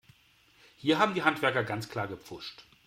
Hier haben die Handwerker ganz klar gepfuscht.